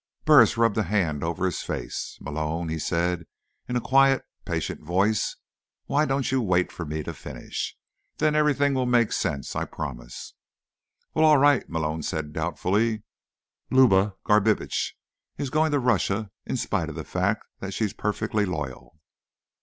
Burris rubbed a hand over his face. "Malone," he said in a quiet, patient voice, "why don't you wait for me to finish? Then everything will make sense. I promise." "Well, all right," Malone said doubtfully. "Luba Garbitsch is going along to Russia, in spite of the fact that she's perfectly loyal."